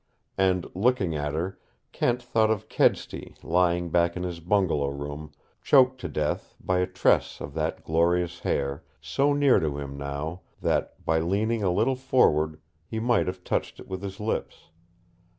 And, looking at her, Kent thought of Kedsty lying back in his bungalow room, choked to death by a tress of that glorious hair, so near to him now that, by leaning a little forward, he might have touched it with his lips.